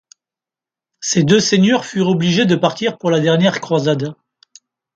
Ces deux seigneurs furent obligés de partir pour la dernière croisade.